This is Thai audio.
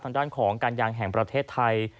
ทางด้านของการยางแห่งประเทศไทย